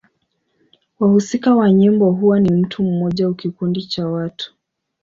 Wahusika wa nyimbo huwa ni mtu mmoja au kikundi cha watu.